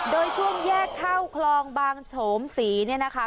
โดยช่วงแยกเข้าคลองบางโฉมศรีเนี่ยนะคะ